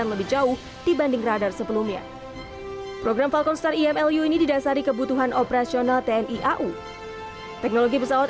lebih jauh dibanding radar sebelumnya program falcon star imlu ini didasari kebutuhan operasional tni au teknologi pesawat